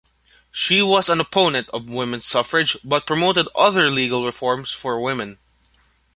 She was an opponent of women's suffrage but promoted other legal reforms for women.